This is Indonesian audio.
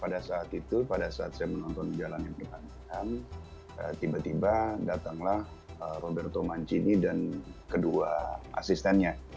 pada saat itu pada saat saya menonton jalannya pertandingan tiba tiba datanglah roberto mancini dan kedua asistennya